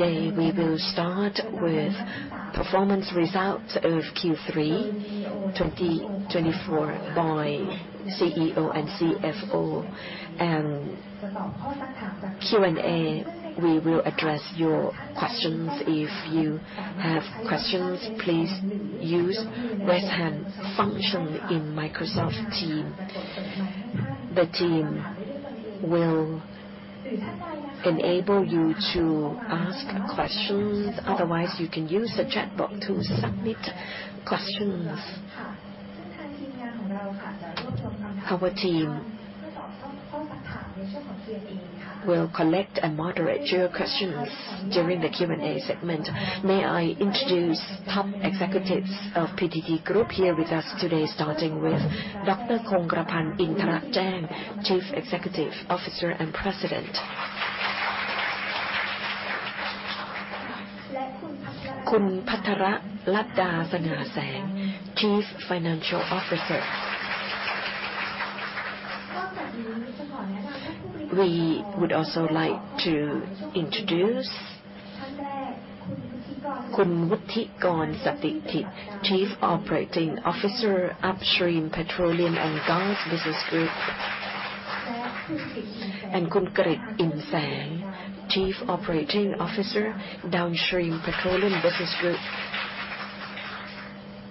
Today we will start with performance results of Q3 2024 by CEO and CFO, and Q&A. We will address your questions. If you have questions, please use the raise hand function in Microsoft Teams. The team will enable you to ask questions. Otherwise, you can use the chatbot to submit questions. ค่ะซึ่งทางทีมงานของเราค่ะจะรวบรวมคำถามเพื่อตอบข้อซักถามในช่วงของ Q&A ค่ะ We'll collect and moderate your questions during the Q&A segment. May I introduce top executives of PTT Group here with us today, starting with Dr. Kongkrapan Intarajang, Chief Executive Officer and President, Pattaralada Sa-ngasang, Chief Financial Officer. We would also like to introduce Wuttikorn Stithit, Chief Operating Officer Upstream Petroleum and Gas Business Group, and Kris Imsang, Chief Operating Officer Downstream Petroleum Business Group.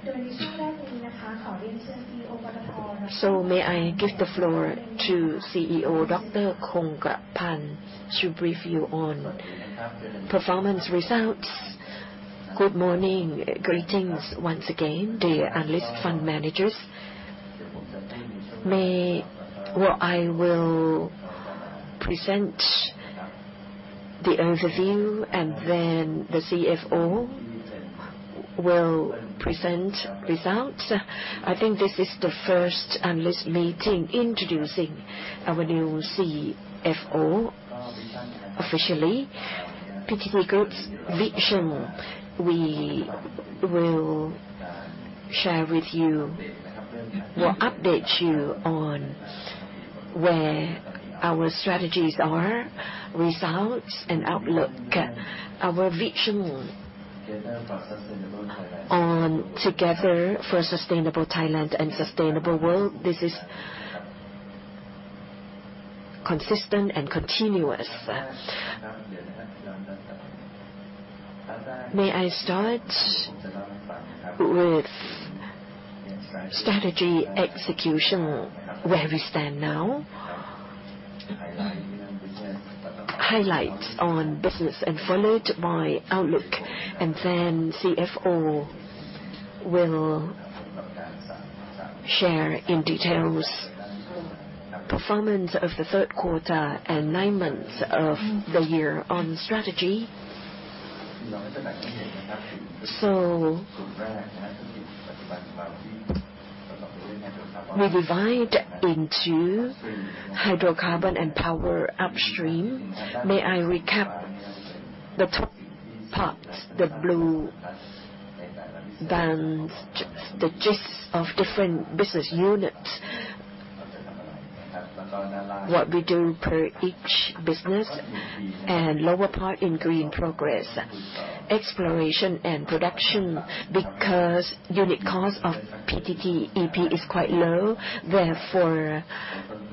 โดยในช่วงแรกนี้นะคะขอเรียนเชิญ CEO ปตท. So may I give the floor to CEO Dr. Kongkrapan Intarajang to brief you on performance results. Good morning, greetings once again, dear analyst fund managers. May I will present the overview, and then the CFO will present results. I think this is the first analyst meeting introducing our new CFO officially. PTT Group's vision, we will share with you what updates you on where our strategies are, results, and outlook. Our vision on together for a sustainable Thailand and sustainable world, this is consistent and continuous. May I start with strategy execution, where we stand now? Highlights on business and followed by outlook, and then CFO will share in details performance of the third quarter and nine months of the year on strategy. So we divide into hydrocarbon and power upstream. May I recap the top part, the blue band, the gist of different business units, what we do per each business, and lower part in green progress, exploration, and production. Because unit cost of PTTEP is quite low, therefore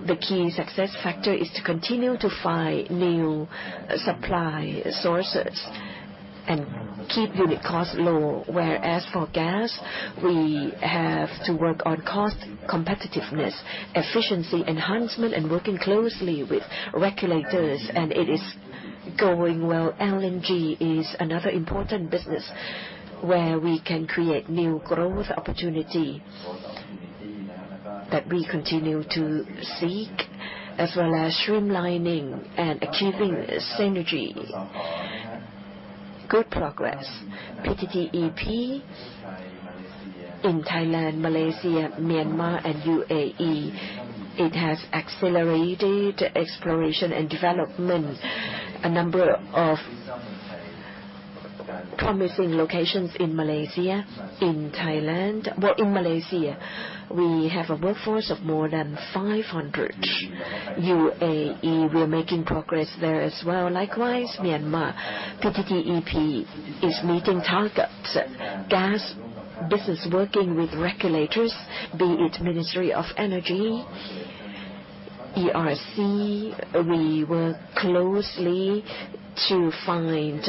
the key success factor is to continue to find new supply sources and keep unit costs low. Whereas for gas, we have to work on cost competitiveness, efficiency enhancement, and working closely with regulators, and it is going well. LNG is another important business where we can create new growth opportunity that we continue to seek, as well as streamlining and achieving synergy. Good progress. PTTEP in Thailand, Malaysia, Myanmar, and UAE, it has accelerated exploration and development, a number of promising locations in Malaysia. In Thailand, well, in Malaysia, we have a workforce of more than 500. UAE, we are making progress there as well. Likewise, Myanmar, PTTEP is meeting targets. Gas business working with regulators, be it Ministry of Energy, ERC. We work closely to find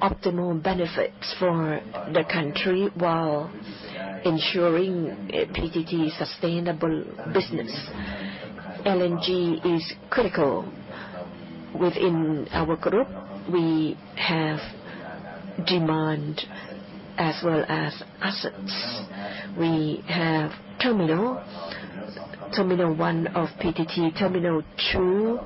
optimal benefits for the country while ensuring PTT sustainable business. LNG is critical within our group. We have demand as well as assets. We have Terminal 1 of PTT, Terminal 2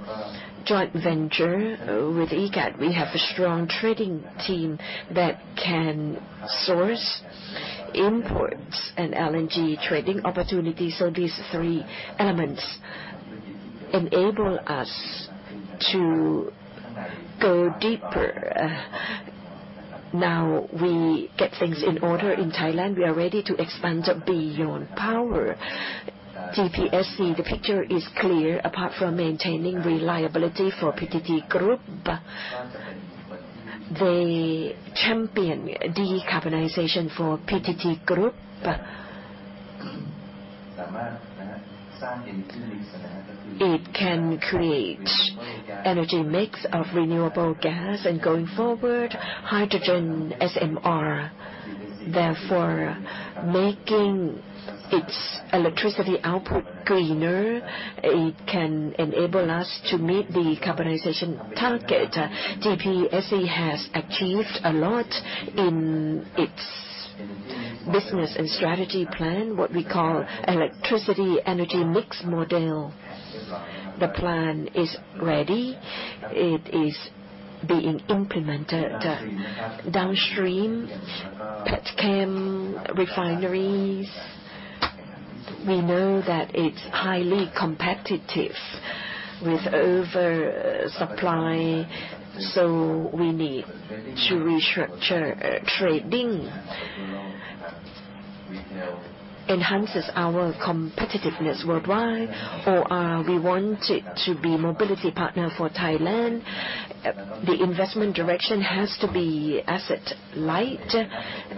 joint venture with EGAT. We have a strong trading team that can source imports and LNG trading opportunities. So these three elements enable us to go deeper. Now we get things in order in Thailand. We are ready to expand beyond power. GPSC, the picture is clear. Apart from maintaining reliability for PTT Group, they champion decarbonization for PTT Group. It can create energy mix of renewable gas and going forward, hydrogen SMR. Therefore, making its electricity output greener, it can enable us to meet the decarbonization target. GPSC has achieved a lot in its business and strategy plan, what we call electricity energy mix model. The plan is ready. It is being implemented. Downstream, Petchem refineries, we know that it's highly competitive with oversupply, so we need to restructure trading. Enhances our competitiveness worldwide. OR, we wanted to be a mobility partner for Thailand. The investment direction has to be asset light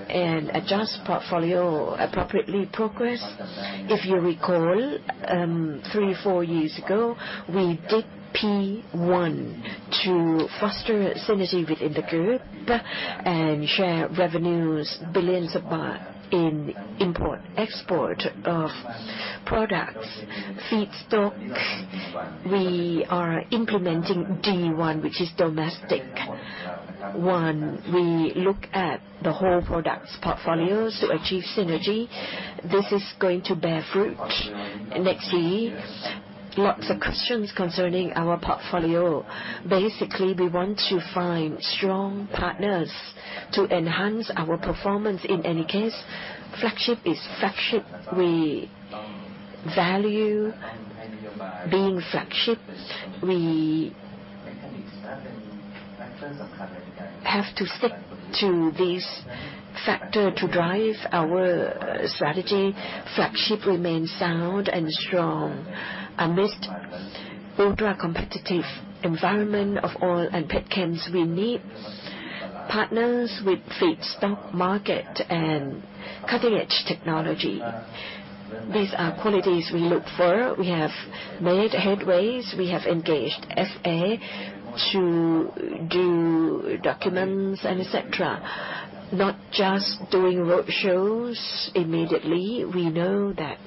and adjust portfolio appropriately. Progress. If you recall, three, four years ago, we did P1 to foster synergy within the group and share revenues, billions of baht in import-export of products, feedstock. We are implementing D1, which is Domestic One, we look at the whole products portfolios to achieve synergy. This is going to bear fruit next year. Lots of questions concerning our portfolio. Basically, we want to find strong partners to enhance our performance. In any case, flagship is flagship. We value being flagship. We have to stick to this factor to drive our strategy. Flagship remains sound and strong. Amidst ultra-competitive environment of oil and petchems, we need partners with feedstock market and cutting-edge technology. These are qualities we look for. We have made headway. We have engaged FA to do documents and etc. Not just doing roadshows immediately. We know that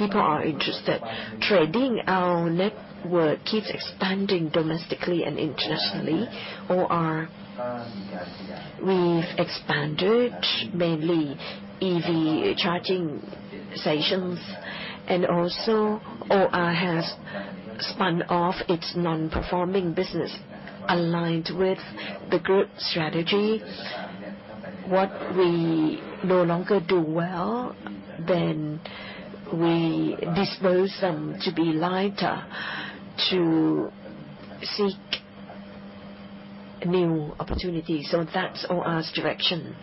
people are interested. Trading our network keeps expanding domestically and internationally. OR, we've expanded mainly EV charging stations, and also OR has spun off its non-performing business aligned with the group strategy. What we no longer do well, then we dispose them to be lighter to seek new opportunities. So that's OR's direction.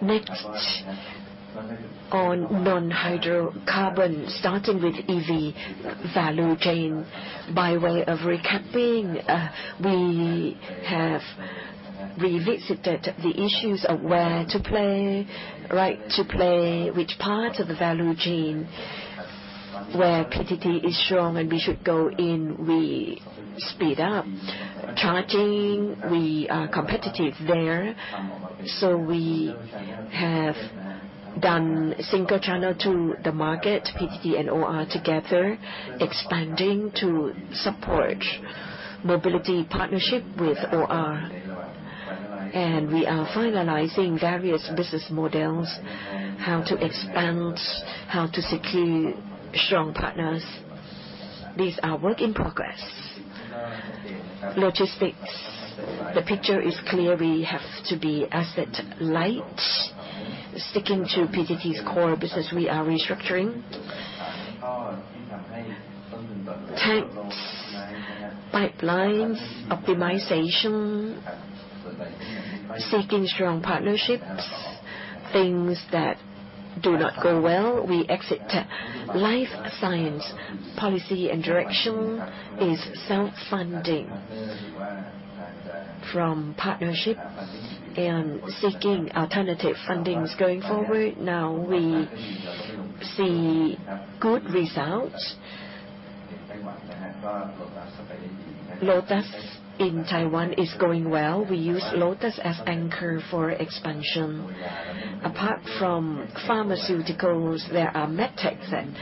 Next on non-hydrocarbon, starting with EV value chain by way of recapping. We have revisited the issues of where to play, right to play, which part of the value chain where PTT is strong and we should go in. We speed up charging. We are competitive there. We have done single channel to the market, PTT and OR together, expanding to support mobility partnership with OR. We are finalizing various business models, how to expand, how to secure strong partners. These are work in progress. Logistics, the picture is clear. We have to be asset light, sticking to PTT's core business. We are restructuring tank pipelines, optimization, seeking strong partnerships. Things that do not go well, we exit life science. Policy and direction is self-funding from partnerships and seeking alternative fundings going forward. Now we see good results. Lotus in Taiwan is going well. We use Lotus as anchor for expansion. Apart from pharmaceuticals, there are medtechs, and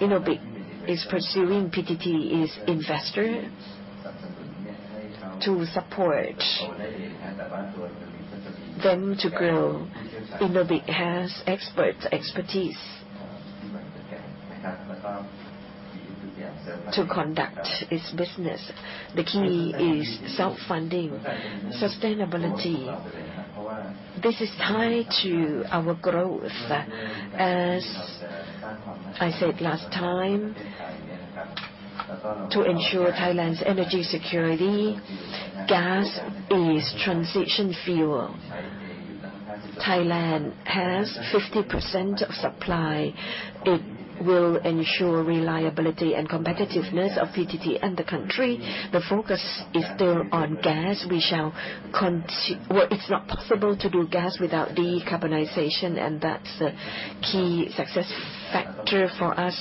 Innobic is pursuing PTT as investor to support them to grow. Innobic has expert expertise to conduct its business. The key is self-funding, sustainability. This is tied to our growth, as I said last time, to ensure Thailand's energy security. Gas is transition fuel. Thailand has 50% of supply. It will ensure reliability and competitiveness of PTT and the country. The focus is still on gas. We shall continue. It's not possible to do gas without decarbonization, and that's the key success factor for us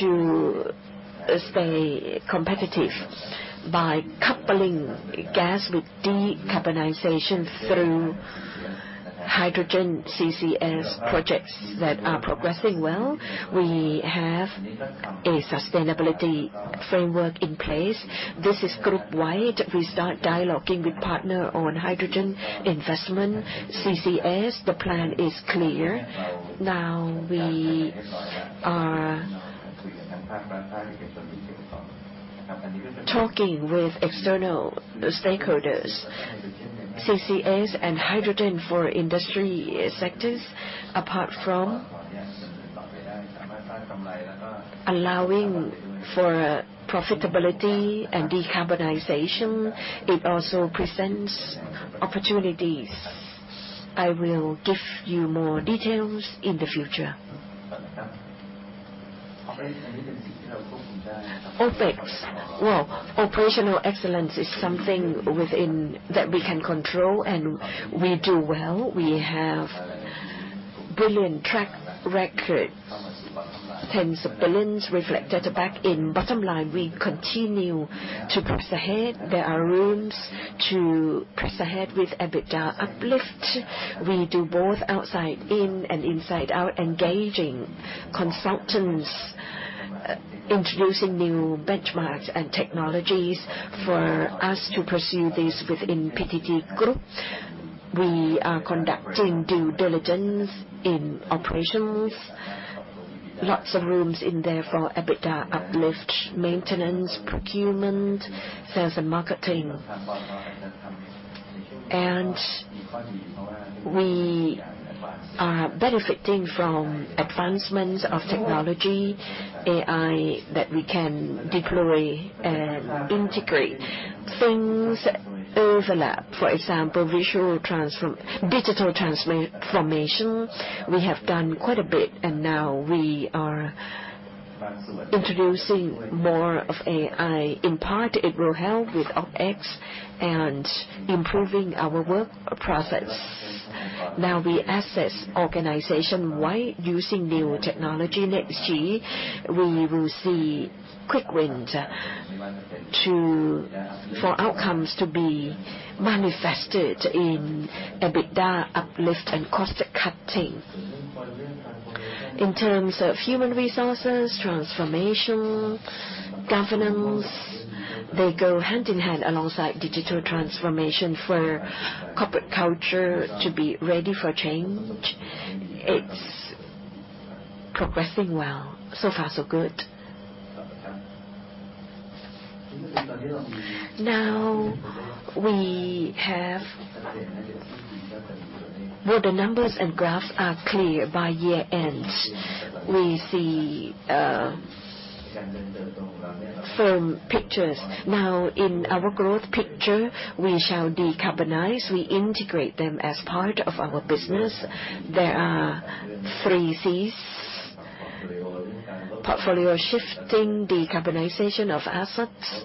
to stay competitive by coupling gas with decarbonization through hydrogen CCS projects that are progressing well. We have a sustainability framework in place. This is group-wide. We start dialoguing with partners on hydrogen investment, CCS. The plan is clear. Now we are talking with external stakeholders, CCS and hydrogen for industry sectors. Apart from allowing for profitability and decarbonization, it also presents opportunities. I will give you more details in the future. Operational excellence is something that we can control, and we do well. We have a brilliant track record. Tens of billions reflected back in bottom line. We continue to press ahead. There are rooms to press ahead with EBITDA uplift. We do both outside-in and inside-out engaging consultants, introducing new benchmarks and technologies for us to pursue this within PTT Group. We are conducting due diligence in operations. Lots of rooms in there for EBITDA uplift, maintenance, procurement, sales, and marketing. And we are benefiting from advancements of technology, AI that we can deploy and integrate. Things overlap, for example, digital transformation. We have done quite a bit, and now we are introducing more of AI. In part, it will help with OpEx and improving our work process. Now we assess organization-wide using new technology. Next year, we will see quick wins for outcomes to be manifested in EBITDA uplift and cost cutting. In terms of human resources, transformation, governance, they go hand in hand alongside digital transformation for corporate culture to be ready for change. It's progressing well. So far, so good. Now we have the numbers and graphs are clear by year-end. We see firm pictures. Now, in our growth picture, we shall decarbonize. We integrate them as part of our business. There are three C's: portfolio shifting, decarbonization of assets,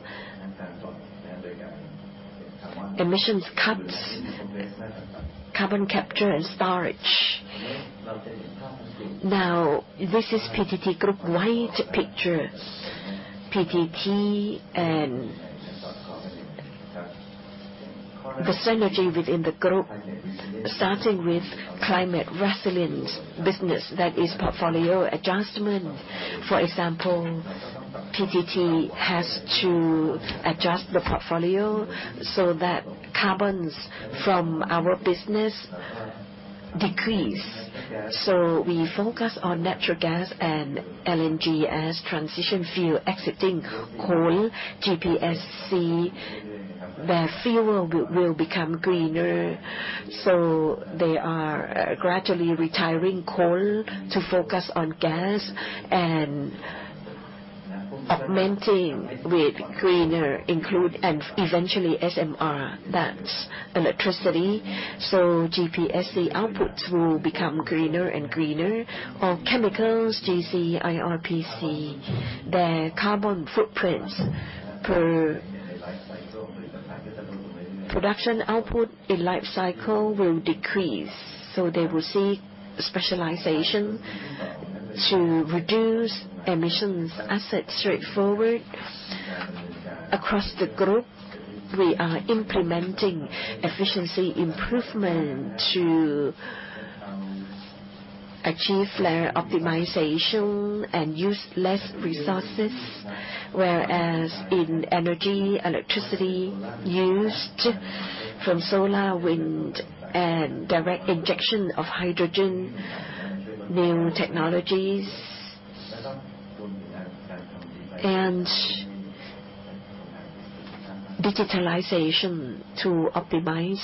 emissions cuts, carbon capture and storage. Now, this is PTT Group-wide picture. PTT and the synergy within the group, starting with climate resilience business, that is portfolio adjustment. For example, PTT has to adjust the portfolio so that carbons from our business decrease. So we focus on natural gas and LNG as transition fuel, exiting coal, GPSC, where fuel will become greener. So they are gradually retiring coal to focus on gas and augmenting with greener, and eventually SMR, that's electricity. So GPSC outputs will become greener and greener. Or chemicals, GC, IRPC, their carbon footprints per production output in life cycle will decrease. So they will seek specialization to reduce emissions. Asset straightforward across the group. We are implementing efficiency improvement to achieve flare optimization and use less resources, whereas in energy, electricity used from solar, wind, and direct injection of hydrogen, new technologies, and digitalization to optimize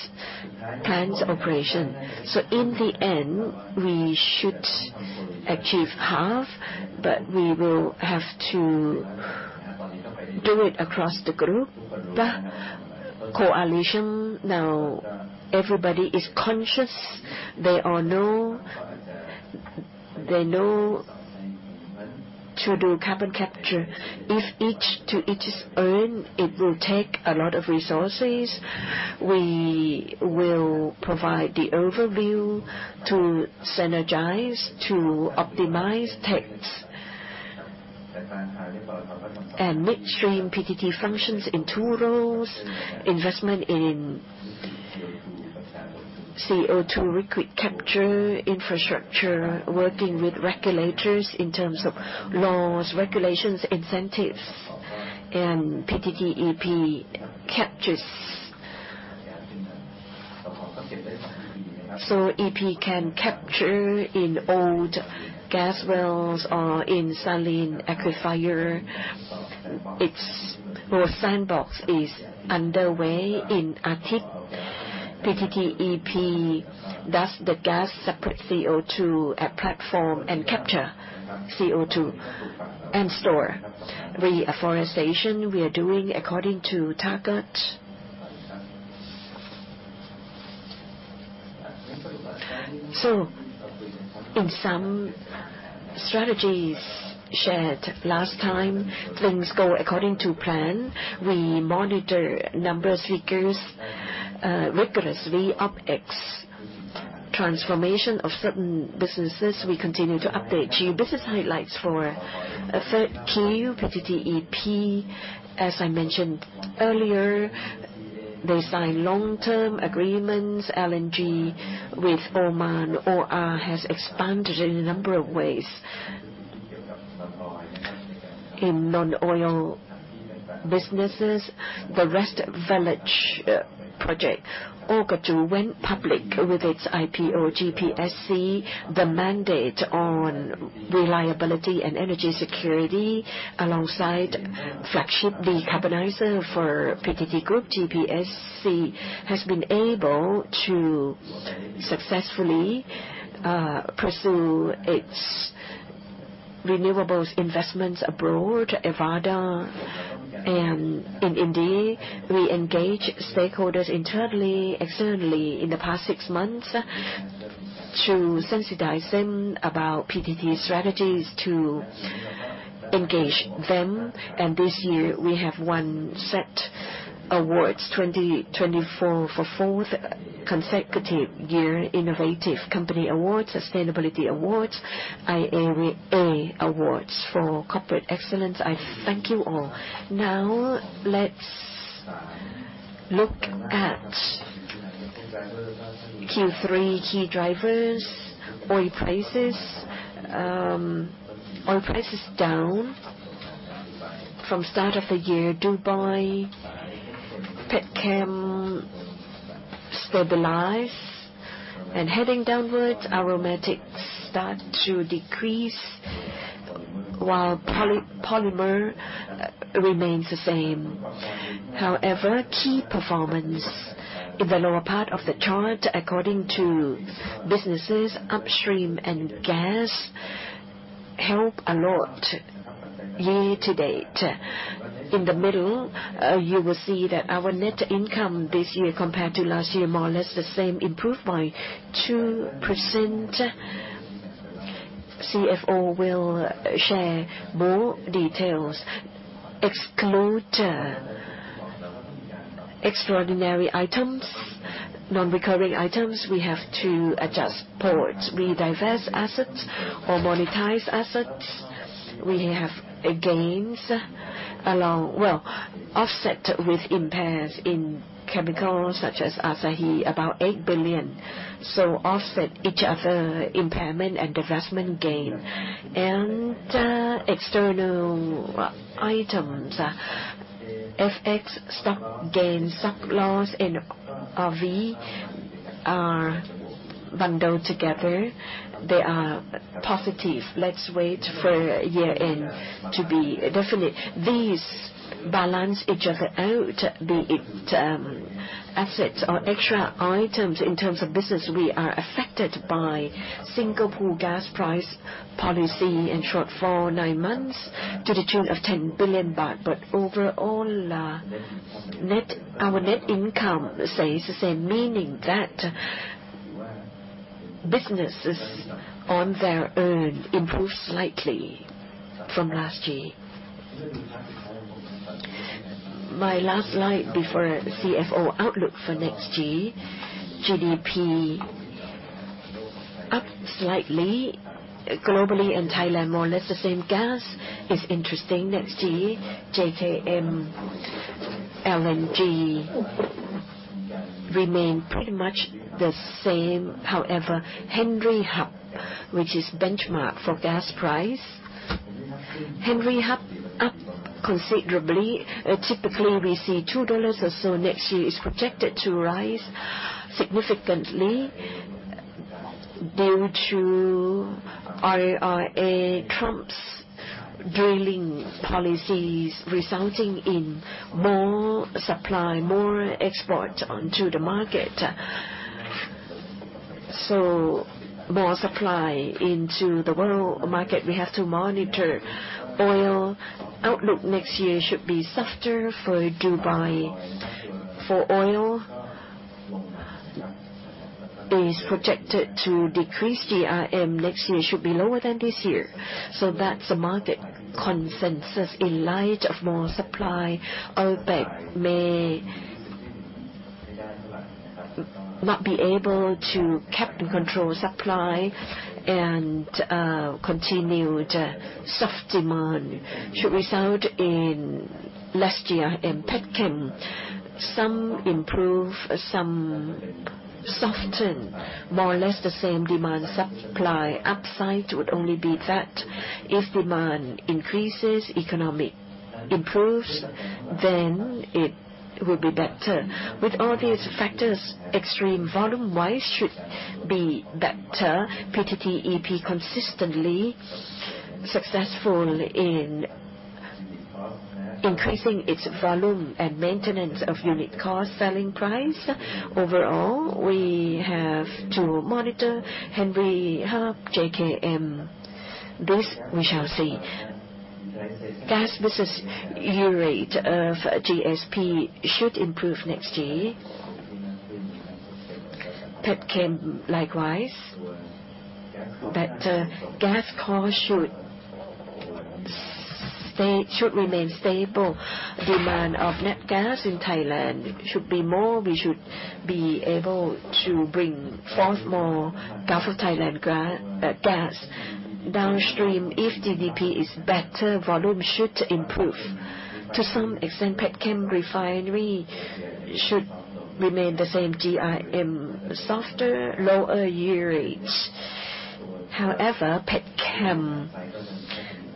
plants' operation. So in the end, we should achieve half, but we will have to do it across the group, the coalition. Now, everybody is conscious. They all know to do carbon capture. If each to each's own, it will take a lot of resources. We will provide the overview to synergize, to optimize techs and midstream PTT functions in two roles: investment in CO2 liquid capture infrastructure, working with regulators in terms of laws, regulations, incentives, and PTTEP captures, so EP can capture in old gas wells or in saline aquifer. Its sandbox is underway in Arthit. PTTEP does the gas separate CO2 at platform and capture CO2 and store. Reforestation we are doing according to target, so in some strategies shared last time, things go according to plan. We monitor number of species rigorously. OpEx transformation of certain businesses. We continue to update key business highlights for third key PTTEP. As I mentioned earlier, they signed long-term agreements LNG with Oman. OR has expanded in a number of ways in non-oil businesses. The Rest Village project, Ohkajhu, went public with its IPO. GPSC. The mandate on reliability and energy security alongside flagship decarbonizer for PTT Group, GPSC, has been able to successfully pursue its renewables investments abroad, Avaada. In India, we engage stakeholders internally, externally in the past six months to sensitize them about PTT strategies to engage them. This year, we have won SET Awards 2024 for fourth consecutive year Innovative Company Awards, Sustainability Awards, IAA Awards for Corporate Excellence. I thank you all. Now let's look at Q3 key drivers. Oil prices. Oil prices down from start of the year. Dubai, Petchem stabilized and heading downward. Aromatics start to decrease while polymer remains the same. However, key performance in the lower part of the chart according to businesses, upstream and gas help a lot year to date. In the middle, you will see that our net income this year compared to last year more or less the same, improved by 2%. The CFO will share more details. Exclude extraordinary items, non-recurring items. We have to adjust for. We divest assets or monetize assets. We have gains along, well, offset with impairments in chemicals such as Asahi, about 8 billion. They offset each other, impairment and divestment gain. External items, FX stock gains, stock loss in NRV are bundled together. They are positive. Let's wait for year-end to be definite. These balance each other out, be it assets or extra items. In terms of business, we are affected by Single Pool gas price policy in shortfall, nine months to the tune of 10 billion baht. Overall, our net income stays the same, meaning that businesses on their own improved slightly from last year. My last slide before CFO outlook for next year. GDP up slightly globally and Thailand more or less the same. Gas is interesting next year. JKM, LNG remain pretty much the same. However, Henry Hub, which is benchmark for gas price, Henry Hub up considerably. Typically, we see $2 or so. Next year is projected to rise significantly due to the IRA, Trump's drilling policies resulting in more supply, more export onto the market, so more supply into the world market. We have to monitor oil outlook. Next year should be softer for Dubai. For oil, it is projected to decrease. GRM next year should be lower than this year, so that's a market consensus in light of more supply. OPEC may not be able to cap and control supply, and continue the soft demand should result in last year, and Petchem some improve, some soften, more or less the same. Demand supply upside would only be that if demand increases, economic improves, then it will be better. With all these factors, extreme volume-wise should be better. PTTEP consistently successful in increasing its volume and maintenance of unit cost selling price. Overall, we have to monitor Henry Hub, JKM. This we shall see. Gas business yield rate of GSP should improve next year. Petchem likewise better. Gas cost should remain stable. Demand of natural gas in Thailand should be more. We should be able to bring forth more Gulf of Thailand gas downstream. If GDP is better, volume should improve to some extent. Petchem refinery should remain the same. GRM softer, lower yield rates. However, Petchem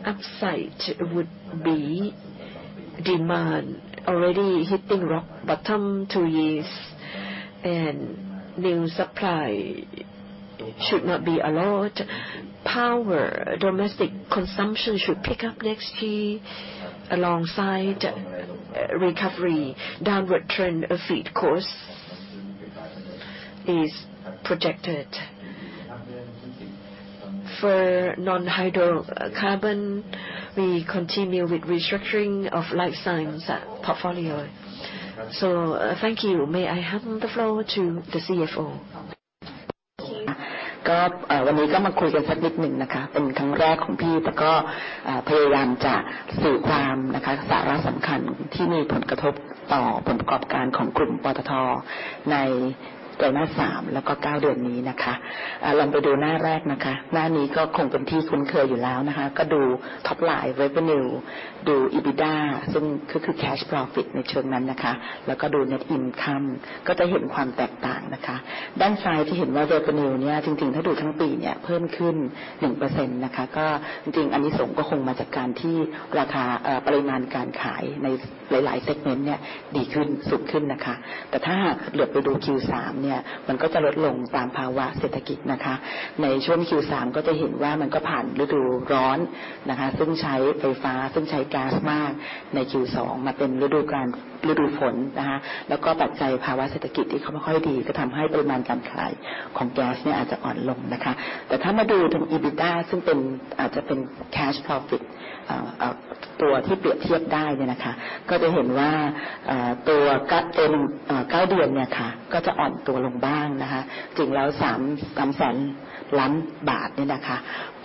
upside would be demand already hitting rock bottom two years, and new supply should not be a lot. Power domestic consumption should pick up next year alongside recovery. Downward trend of feed cost is projected. For non-hydrocarbon, we continue with restructuring of life science portfolio. So thank you. May I hand the floor to the CFO? ก็วันนี้ก็มาคุยกันสักนิดนึงนะคะเป็นครั้งแรกของพี่แต่ก็พยายามจะสื่อความนะคะ สาระสำคัญที่มีผลกระทบต่อผลประกอบการของกลุ่มปตท. ในไตรมาส 3 แล้วก็ 9 เดือนนี้นะคะลองไปดูหน้าแรกนะคะหน้านี้ก็คงเป็นที่คุ้นเคยอยู่แล้วนะคะก็ดู Top Line Revenue ดู EBITDA ซึ่งก็คือ Cash Profit ในเชิงนั้นนะคะแล้วก็ดู Net Income ก็จะเห็นความแตกต่างนะคะด้านซ้ายจะเห็นว่า Revenue เนี่ยจริงๆถ้าดูทั้งปีเนี่ยเพิ่มขึ้น 1%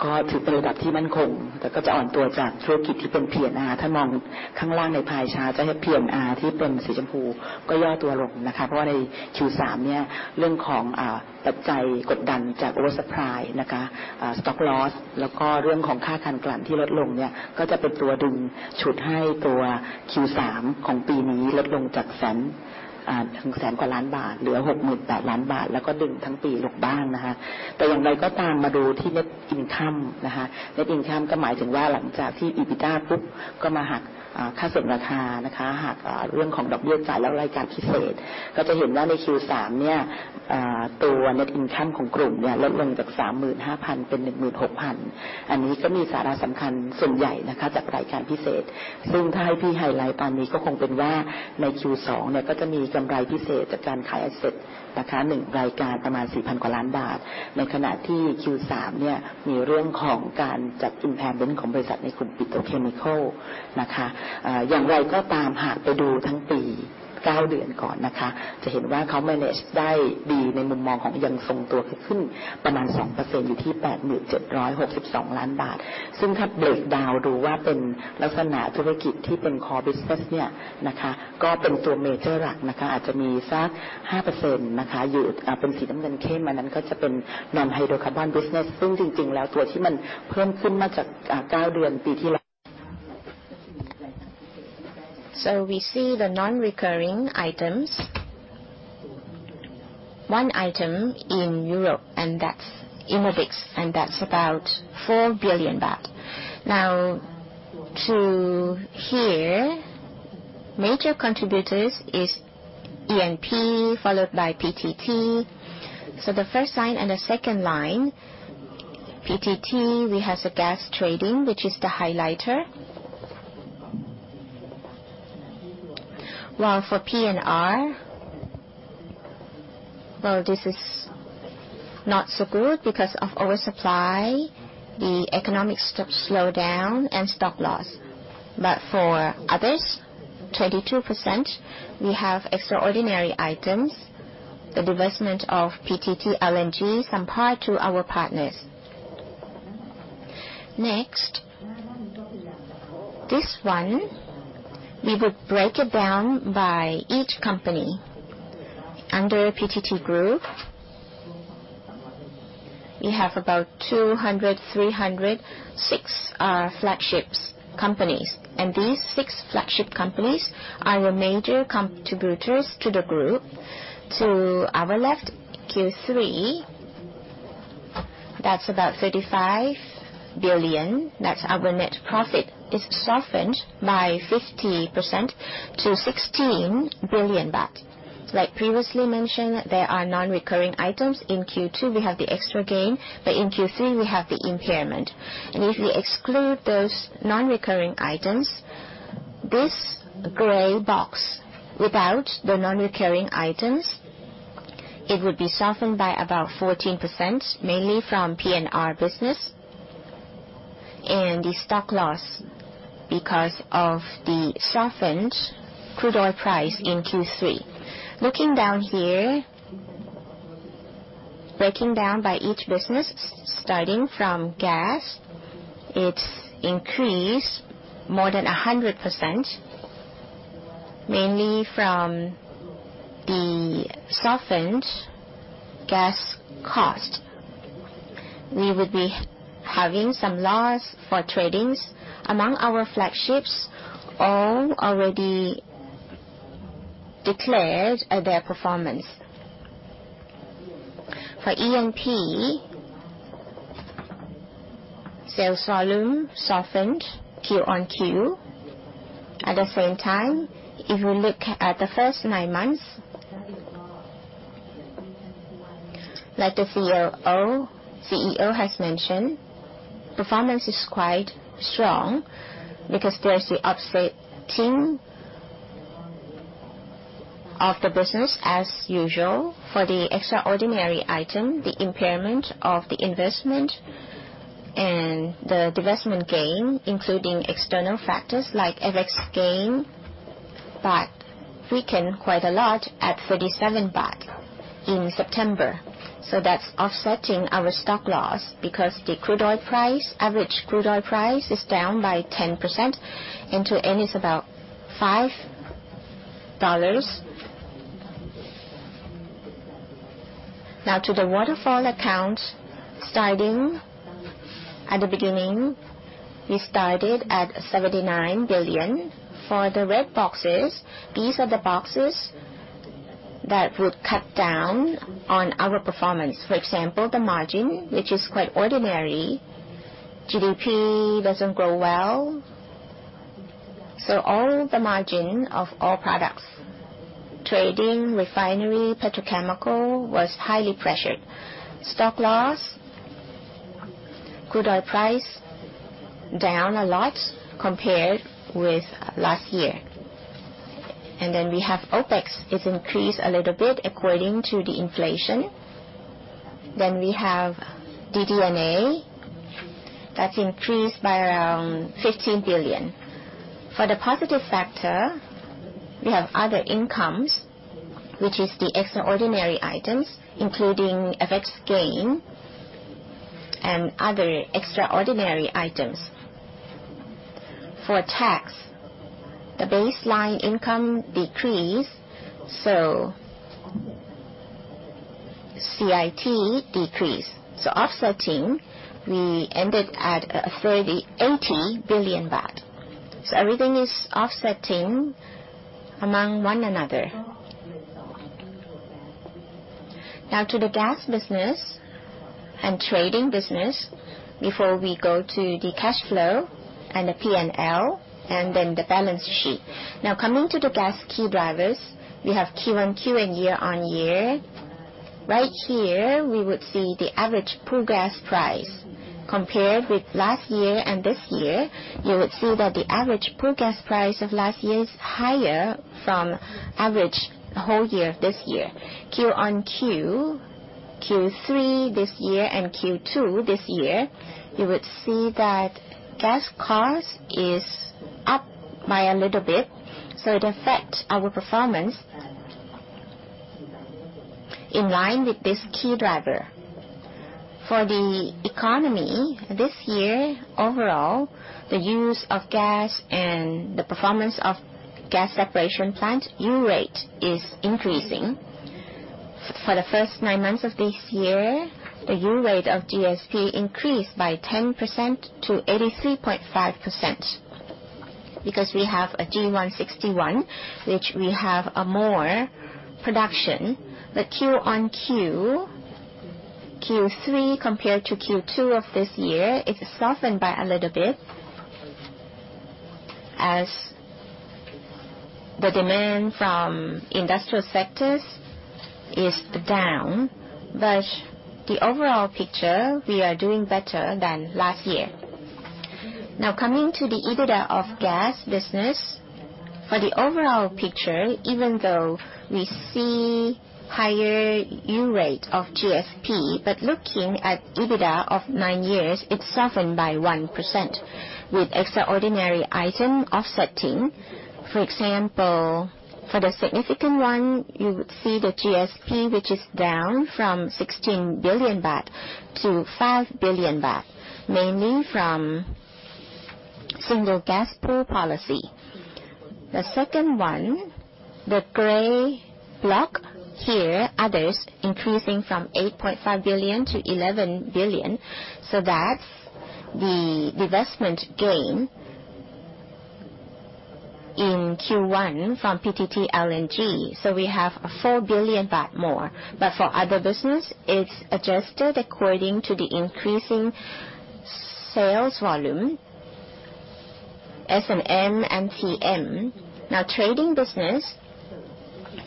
นะคะก็จริงๆอานิสงส์ก็คงมาจากการที่ราคาปริมาณการขายในหลายๆ Segment เนี่ยดีขึ้นสูงขึ้นนะคะแต่ถ้าหากเหลือบไปดู Q3 เนี่ยมันก็จะลดลงตามภาวะเศรษฐกิจนะคะในช่วง Q3 ก็จะเห็นว่ามันก็ผ่านฤดูร้อนนะคะซึ่งใช้ไฟฟ้าซึ่งใช้ก๊าซมากใน Q2 มาเป็นฤดูฝนนะคะแล้วก็ปัจจัยภาวะเศรษฐกิจที่เขาไม่ค่อยดีก็ทำให้ปริมาณการขายของก๊าซเนี่ยอาจจะอ่อนลงนะคะแต่ถ้ามาดูทาง EBITDA ซึ่งเป็นอาจจะเป็น Cash Profit ตัวที่เปรียบเทียบได้เนี่ยนะคะก็จะเห็นว่าตัว 9 เดือนเนี่ยค่ะก็จะอ่อนตัวลงบ้างนะคะจริงๆแล้ว 300,000 ล้านบาทเนี่ยนะคะก็ถือเป็นระดับที่มั่นคงแต่ก็จะอ่อนตัวจากธุรกิจที่เป็น P&R ถ้ามองข้างล่างในพายชาร์ต P&R ที่เป็นสีชมพูก็ย่อตัวลงนะคะเพราะว่าใน Q3 เนี่ยเรื่องของปัจจัยกดดันจาก Oversupply นะคะ Stock Loss แล้วก็เรื่องของค่าการกลั่นที่ลดลงเนี่ยก็จะเป็นตัวดึงฉุดให้ตัว Q3 ของปีนี้ลดลงจาก 100,000 ล้านบาทเหลือ 68,000 ล้านบาทแล้วก็ดึงทั้งปีลงบ้างนะคะแต่อยอย่างไรก็ตามมาดูที่ Net Income นะคะ Net Income ก็หมายถึงว่าหลังจากที่ EBITDA ปุ๊บก็มาหักค่าเสื่อมราคานะคะหักเรื่องของดอกเบี้ยจ่ายแล้วรายการพิเศษก็จะเห็นว่าใน Q3 เนี่ยตัว Net Income ของกลุ่มเนี่ยลดลงจาก 35,000 เป็น 16,000 อันนี้ก็มีสาระสำคัญส่วนใหญ่นะคะจากรายการพิเศษซึ่งถ้าให้พี่ไฮไลท์ตามนี้ก็คงเป็นว่าใน Q2 เนี่ยก็จะมีกำไรพิเศษจากการขาย Asset นะคะ 1 รายการประมาณ 4,000 กว่าล้านบาทในขณะที่ Q3 เนี่ยมีเรื่องของการจัด Impairment ของบริษัทในกลุ่มปิโตรเคมีคอลนะคะอย่างไรก็ตามหากไปดูทั้งปี 9 เดือนก่อนนะคะจะเห็นว่าเขา Manage ได้ดีในมุมมองของยังทรงตัวขึ้นประมาณ 2% อยู่ที่ 8,762 ล้านบาทซึ่งถ้า Break Down ดูว่าเป็นลักษณะธุรกิจที่เป็น Core Business เนี่ยนะคะก็เป็นตัว Major หลักนะคะอาจจะมีซัก 5% นะคะอยู่เป็นสีน้ำเงินเข้มอันนั้นก็จะเป็น Non-Hydrocarbon Business ซึ่งจริงๆแล้วตัวที่มันเพิ่มขึ้นมาจาก 9 เดือนปีที่แล้ว So we see the non-recurring items. One item in Europe, and that's Innobic, and that's about 4 billion baht. Now, the major contributors is EP, followed by PTT. So the first line and the second line, PTT, we have the gas trading, which is the highlight. While for P&R, well, this is not so good because of oversupply, the economic slowdown, and stock loss. But for others, 22%, we have extraordinary items, the divestment of PTT LNG, some part to our partners. Next, this one we would break it down by each company under PTT Group. We have about 200, 300, 6 flagship companies, and these 6 flagship companies are the major contributors to the group. To our left, Q3, that's about 35 billion. That's our net profit is softened by 50% to 16 billion baht. Like previously mentioned, there are non-recurring items. In Q2, we have the extra gain, but in Q3, we have the impairment, and if we exclude those non-recurring items, this gray box without the non-recurring items, it would be softened by about 14%, mainly from P&R business and the stock loss because of the softened crude oil price in Q3. Looking down here, breaking down by each business, starting from gas, it's increased more than 100%, mainly from the softened gas cost. We would be having some loss for tradings among our flagships, all already declared their performance. For E&P, sales volume softened Q on Q. At the same time, if we look at the first nine months, like the CEO has mentioned, performance is quite strong because there's the upsetting of the business as usual. For the extraordinary item, the impairment of the investment and the divestment gain, including external factors like FX gain, but weakened quite a lot at 37 baht in September. So that's offsetting our stock loss because the crude oil price, average crude oil price, is down by 10%, and to end is about $5. Now, to the waterfall account, starting at the beginning, we started at 79 billion. For the red boxes, these are the boxes that would cut down on our performance. For example, the margin, which is quite ordinary. GDP doesn't grow well. So all the margin of all products, trading, refinery, petrochemical was highly pressured. Stock loss, crude oil price down a lot compared with last year. And then we have OpEx, it's increased a little bit according to the inflation. Then we have DD&A, that's increased by around 15 billion. For the positive factor, we have other incomes, which is the extraordinary items, including FX gain and other extraordinary items. For tax, the baseline income decreased, so CIT decreased. So offsetting, we ended at 80 billion baht. So everything is offsetting among one another. Now, to the gas business and trading business, before we go to the cash flow and the P&L and then the balance sheet. Now, coming to the gas key drivers, we have Q1, Q and year on year. Right here, we would see the average pool gas price compared with last year and this year. You would see that the average pool gas price of last year is higher from average whole year of this year. Q on Q, Q3 this year and Q2 this year, you would see that gas cost is up by a little bit. It affects our performance in line with this key driver. For the economy this year, overall, the use of gas and the performance of gas separation plant yield rate is increasing. For the first nine months of this year, the yield rate of GSP increased by 10% to 83.5% because we have a G1/61, which we have more production. But Q on Q, Q3 compared to Q2 of this year, it's softened by a little bit as the demand from industrial sectors is down. But the overall picture, we are doing better than last year. Now, coming to the EBITDA of gas business, for the overall picture, even though we see higher yield rate of GSP, but looking at EBITDA of nine months, it's softened by 1% with extraordinary item offsetting. For example, for the significant one, you would see the GSP, which is down from 16 billion baht to 5 billion baht, mainly from single pool policy. The second one, the gray block here, others increasing from 8.5 billion to 11 billion. So that's the divestment gain in Q1 from PTT, LNG. So we have a 4 billion baht more. But for other business, it's adjusted according to the increasing sales volume, S&M and TM. Now, trading business,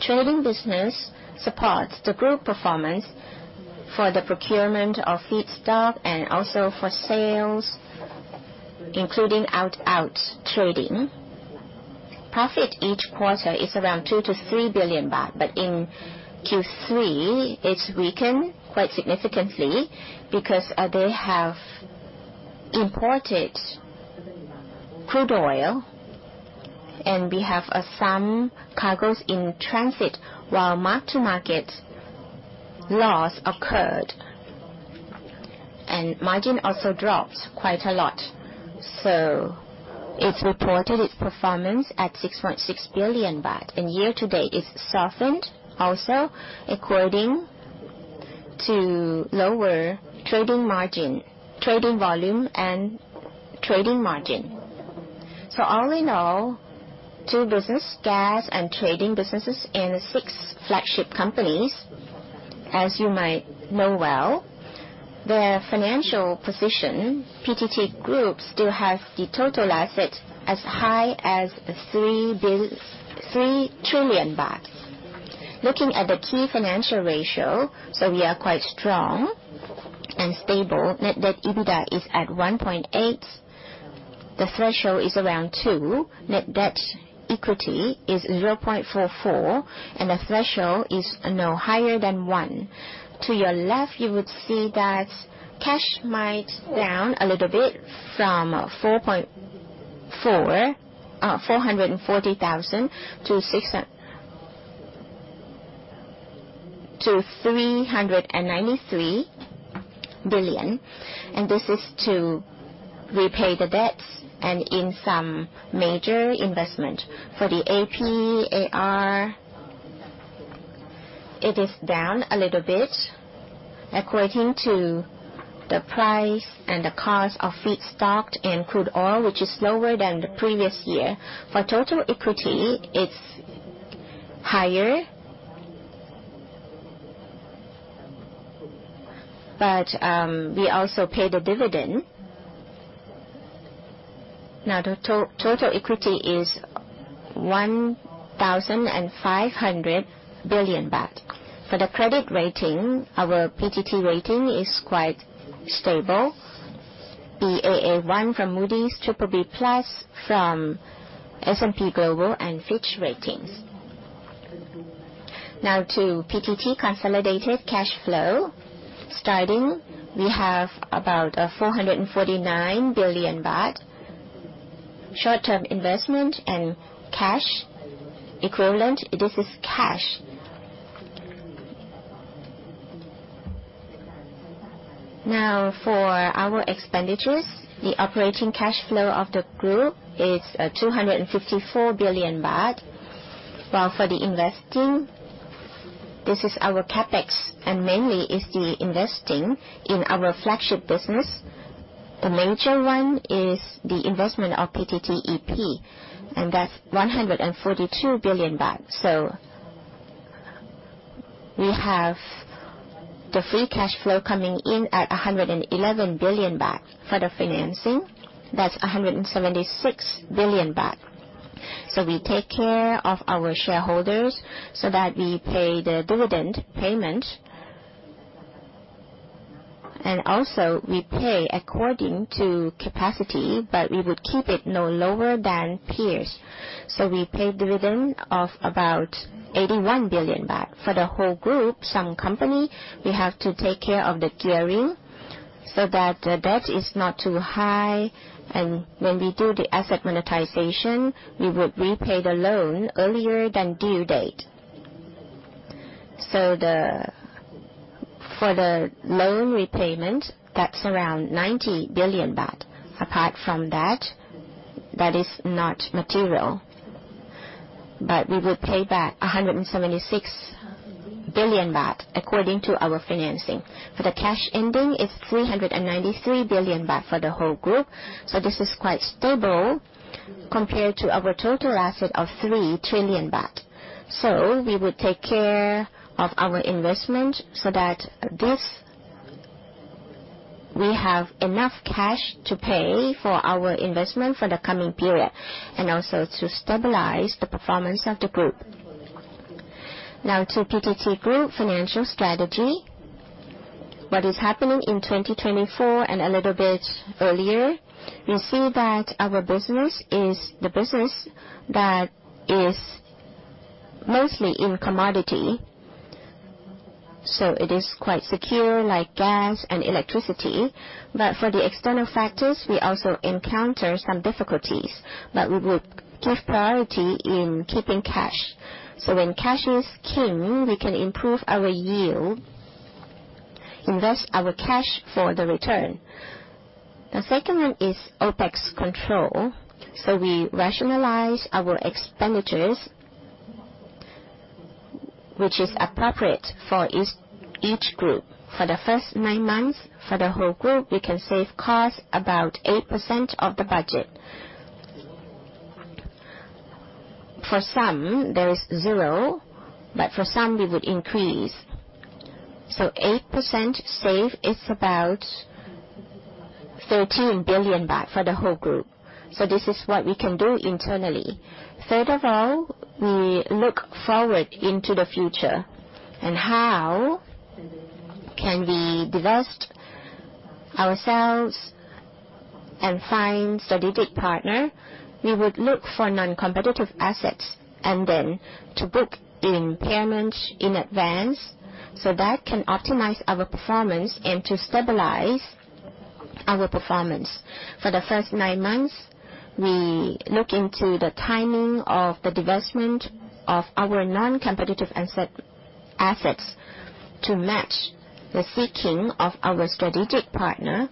trading business supports the group performance for the procurement of feed stock and also for sales, including out-out trading. Profit each quarter is around 2 billion to 3 billion baht. But in Q3, it's weakened quite significantly because they have imported crude oil and we have some cargoes in transit while mark-to-market loss occurred and margin also dropped quite a lot. It reported its performance at 6.6 billion baht, and year to date is softened also according to lower trading margin, trading volume, and trading margin. All in all, two businesses, gas and trading businesses and six flagship companies, as you might know well, their financial position, PTT Group still has the total assets as high as 3 trillion baht. Looking at the key financial ratios, we are quite strong and stable. Net Debt to EBITDA is at 1.8. The threshold is around 2. Net Debt to Equity is 0.44, and the threshold is no higher than 1. To your left, you would see that cash is down a little bit from 440 billion to 393 billion. This is to repay the debts and in some major investments. For the AP, AR, it is down a little bit according to the price and the cost of feed stock and crude oil, which is lower than the previous year. For total equity, it's higher. But we also pay the dividend. Now, total equity is 1,500 billion baht. For the credit rating, our PTT rating is quite stable, Baa1 from Moody's, BBB+ from S&P Global and Fitch Ratings. Now, to PTT consolidated cash flow, starting we have about 449 billion baht. Short-term investment and cash equivalent, this is cash. Now, for our expenditures, the operating cash flow of the group is 254 billion baht. While for the investing, this is our CapEx and mainly is the investing in our flagship business. The major one is the investment of PTTEP, and that's 142 billion baht. So we have the free cash flow coming in at 111 billion baht. For the financing, that's 176 billion baht, so we take care of our shareholders so that we pay the dividend payment, and also we pay according to capacity, but we would keep it no lower than peers, so we pay dividend of about 81 billion baht. For the whole group, some company, we have to take care of the gearing so that the debt is not too high, and when we do the asset monetization, we would repay the loan earlier than due date, so for the loan repayment, that's around 90 billion baht. Apart from that, that is not material, but we would pay back 176 billion baht according to our financing. For the cash ending, it's 393 billion baht for the whole group, so this is quite stable compared to our total asset of 3 trillion baht. So we would take care of our investment so that this we have enough cash to pay for our investment for the coming period and also to stabilize the performance of the group. Now, to PTT Group financial strategy, what is happening in 2024 and a little bit earlier, we see that our business is the business that is mostly in commodity. So it is quite secure like gas and electricity. But for the external factors, we also encounter some difficulties. But we would give priority in keeping cash. So when cash is king, we can improve our yield, invest our cash for the return. The second one is OpEx control. So we rationalize our expenditures, which is appropriate for each group. For the first nine months, for the whole group, we can save costs about 8% of the budget. For some, there is zero, but for some, we would increase. So 8% save, it's about 13 billion baht for the whole group. So this is what we can do internally. Third of all, we look forward into the future and how can we divest ourselves and find strategic partner. We would look for non-competitive assets and then to book impairments in advance so that can optimize our performance and to stabilize our performance. For the first nine months, we look into the timing of the divestment of our non-competitive assets to match the seeking of our strategic partner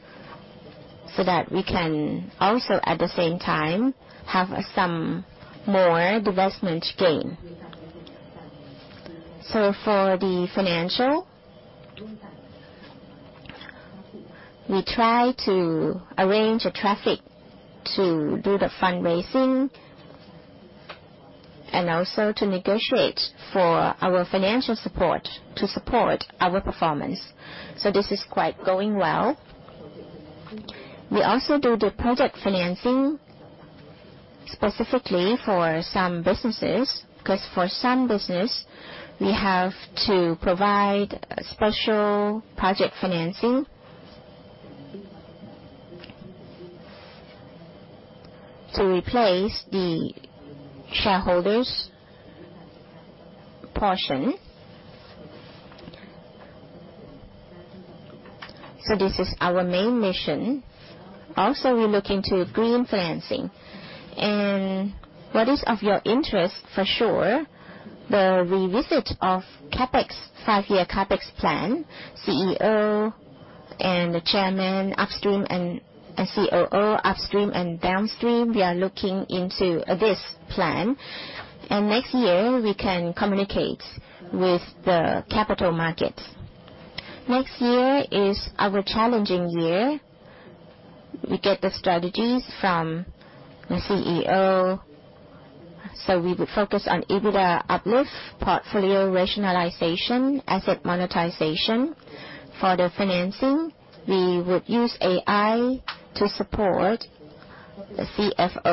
so that we can also at the same time have some more divestment gain. So for the financial, we try to arrange refinancing to do the fundraising and also to negotiate for our financial support to support our performance. So this is quite going well. We also do the project financing specifically for some businesses because for some business, we have to provide special project financing to replace the shareholders' portion. So this is our main mission. Also, we look into green financing. And what is of your interest, for sure, the revisit of CapEx, five-year CapEx plan, CEO and chairman upstream and COO upstream and downstream. We are looking into this plan. And next year, we can communicate with the capital markets. Next year is our challenging year. We get the strategies from the CEO. So we would focus on EBITDA uplift, portfolio rationalization, asset monetization. For the financing, we would use AI to support the CF.